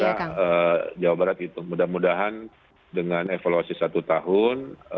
ya jawa barat itu mudah mudahan dengan evaluasi satu tahun